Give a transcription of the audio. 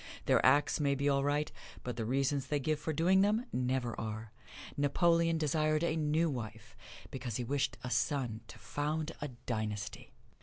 Their acts may be all right, but the reasons they give for doing them never are. Napoleon desired a new wife, because he wished a son to found a dynasty.